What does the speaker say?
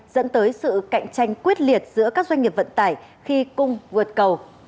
dẫn tới sự cạnh tranh quyết liệt giữa các doanh nghiệp vận tải khi cung vượt cầu